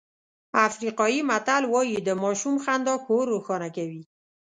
افریقایي متل وایي د ماشوم خندا کور روښانه کوي.